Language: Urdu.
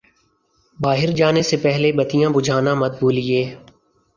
باہر جانے سے پہلے بتیاں بجھانا مت بھولئے